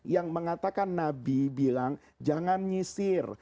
yang mengatakan nabi bilang jangan nyisir